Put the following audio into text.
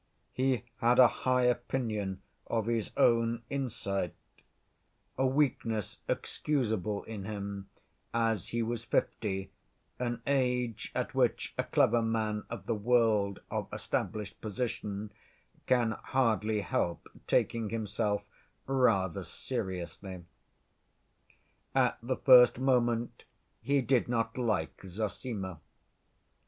He had a high opinion of his own insight, a weakness excusable in him as he was fifty, an age at which a clever man of the world of established position can hardly help taking himself rather seriously. At the first moment he did not like Zossima.